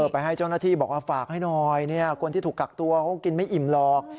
ไปให้เจ้าหน้าที่บอกว่าฝากให้หน่อยคนที่ถูกกักตัวเขากินไม่อิ่มหรอก